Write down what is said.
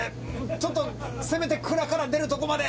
ちょっとせめて庫から出るとこまで。